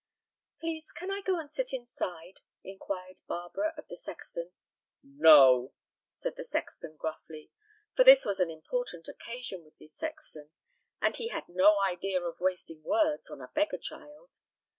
"Please, can I go and sit inside?" inquired Barbara of the sexton. "No!" said the sexton, gruffly, for this was an important occasion with the sexton, and he had no idea of wasting words on a beggar child.